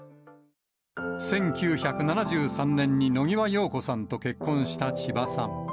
１９７３年に野際陽子さんと結婚した千葉さん。